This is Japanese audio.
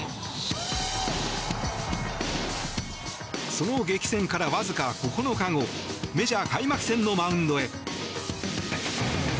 その激戦からわずか９日後メジャー開幕戦のマウンドへ。